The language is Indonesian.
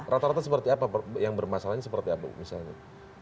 rata rata seperti apa yang bermasalahnya seperti apa misalnya